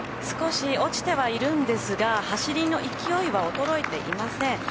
少し落ちてはいるんですが走りの勢いは衰えていません。